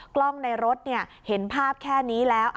กล้องในรถเห็นภาพแค่นี้แล้ว